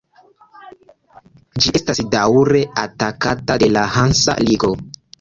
Ĝi estas daŭre atakata de la Hansa Ligo.